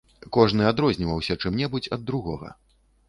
Кожны адрозніваўся чым-небудзь ад другога.